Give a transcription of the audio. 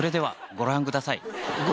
「ご覧ください」